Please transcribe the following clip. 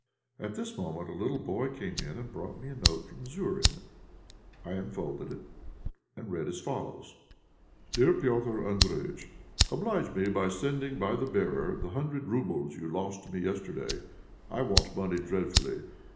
At this moment a little boy came in, who brought me a note from Zourine. I unfolded it and read as follows: "DEAR PETR' ANDRÉJÏTCH, "Oblige me by sending by bearer the hundred roubles you lost to me yesterday. I want money dreadfully.